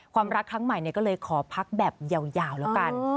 ความรักครั้งใหม่ก็เลยขอพักแบบยาวแล้วกัน